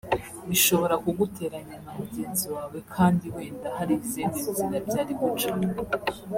bishobora kuguteranya na mugenzi wawe kandi wenda hari izindi nzira byari gucamo